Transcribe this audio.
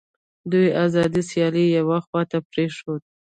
دوی آزاده سیالي یوې خواته پرېښوده